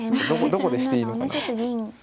どこでしていいのかな。